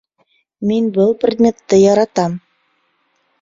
Мин был предметты яратам